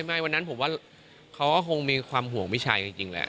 ไม่วันนั้นผมว่าเขาก็คงมีความห่วงพี่ชายจริงแหละ